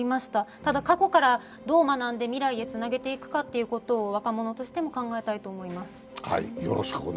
ただ過去からどう学んで未来へつないでいくかというものを若者としても考えたいと思います。